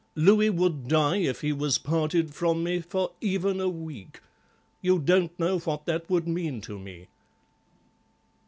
Louis would die if he was parted from me for even a week. You don't know what that would mean to me."